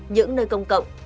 những nơi công cộng